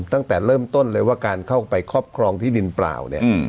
ตั้งแต่เริ่มต้นเลยว่าการเข้าไปครอบครองที่ดินเปล่าเนี่ย